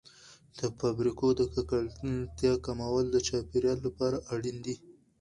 د فابریکو د ککړتیا کمول د چاپیریال لپاره اړین دي.